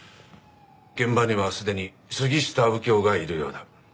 現場にはすでに杉下右京がいるようだ。